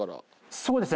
そうですね。